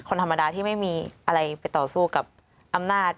คนธรรมดาที่ไม่มีอะไรไปต่อสู้กับอำนาจ